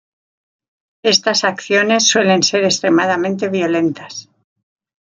Estas acciones suelen ser extremadamente violentas.